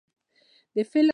د فلم بنيادي کردارونو کښې هم